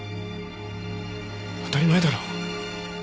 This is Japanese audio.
当たり前だろう。